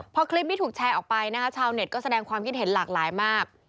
พอคลิปนี้ถูกแชร์ออกไปนะคะชาวเน็ตก็แสดงความคิดเห็นหลากหลายมาก